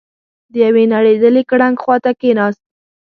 د يوې نړېدلې ګړنګ خواته کېناست.